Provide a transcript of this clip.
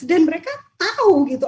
dan mereka tahu gitu